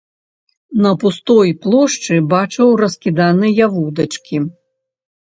На пустой плошчы бачыў раскіданыя вудачкі.